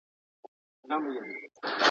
لاره باريکه ده.